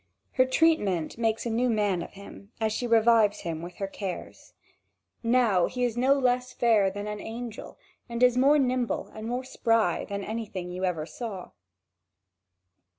Her treatment makes a new man of him, as she revives him with her cares. Now he is no less fair than an angel and is more nimble and more spry than anything you ever saw.